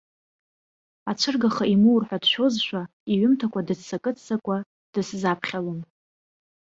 Ацәыргаха имоур ҳәа дшәозшәа, иҩымҭақәа дыццакы-ццакуа дысзаԥхьалон.